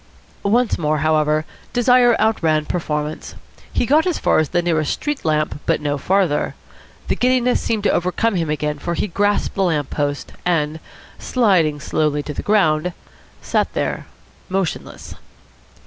Once more, however, desire outran performance. He got as far as the nearest street lamp, but no farther. The giddiness seemed to overcome him again, for he grasped the lamp post, and, sliding slowly to the ground, sat there motionless.